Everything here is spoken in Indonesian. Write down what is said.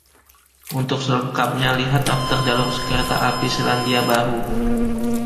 Untuk selengkapnya, lihat daftar jalur kereta api Selandia Baru.